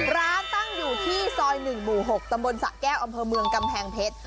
ตั้งอยู่ที่ซอย๑หมู่๖ตำบลสะแก้วอำเภอเมืองกำแพงเพชร